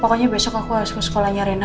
pokoknya besok aku harus ke sekolahnya rena